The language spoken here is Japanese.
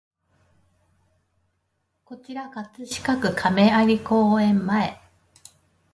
こちら葛飾区亀有公園前